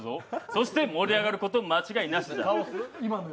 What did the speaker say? そして盛り上がること間違いなしじゃ。